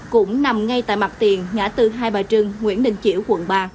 cũng nằm ngay tại mặt tiền ngã từ hai bà trưng nguyễn đình chiểu quận ba